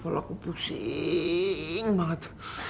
palaku pusing banget